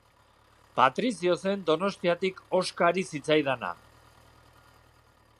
Patrizio zen Donostiatik hoska ari zitzaidana.